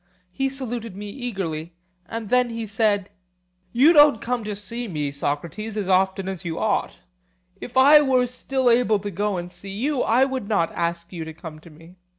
He saluted me eagerly, and then he said:— You don't come to see me, Socrates, as often as you ought: If I were still able to go and see you I would not ask you to come to me.